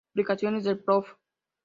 Publicaciones del prof.